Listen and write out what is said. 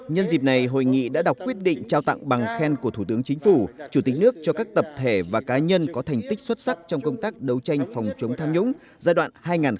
nhân dịp này hội nghị đã đọc quyết định trao tặng bằng khen của thủ tướng chính phủ chủ tịch nước cho các tập thể và cá nhân có thành tích xuất sắc trong công tác đấu tranh phòng chống tham nhũng giai đoạn hai nghìn một mươi sáu hai nghìn hai mươi